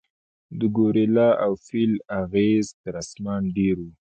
د ګورېلا او فیل اغېز تر انسان ډېر و.